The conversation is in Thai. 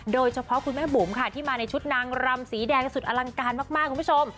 คุณแม่บุ๋มค่ะที่มาในชุดนางรำสีแดงสุดอลังการมากคุณผู้ชม